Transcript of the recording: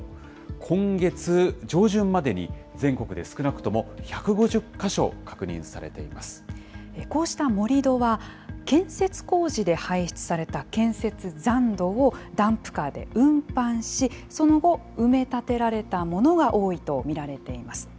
今月上旬までに、全国で少なくとこうした盛り土は、建設工事で排出された建設残土をダンプカーで運搬し、その後、埋め立てられたものが多いと見られています。